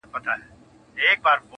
دلته لېونیو نن د عقل ښار نیولی دی٫